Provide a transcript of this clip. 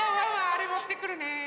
あれもってくるね。